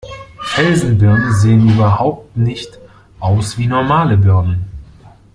Felsenbirnen sehen überhaupt nicht aus wie normale Birnen.